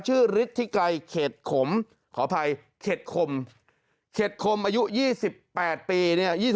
ฤทธิไกรเขตขมขออภัยเขตคมเขตคมอายุ๒๘ปีเนี่ย